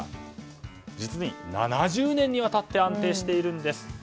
実に７０年にわたって安定しているんです。